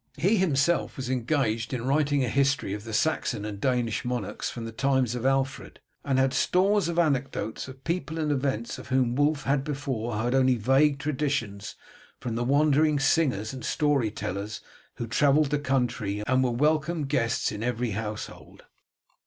He himself was engaged in writing a history of the Saxon and Danish monarchs from the times of Alfred, and had stores of anecdotes of people and events of whom Wulf had before heard only vague traditions from the wandering singers and story tellers who travelled the country, and were welcome guests in every household.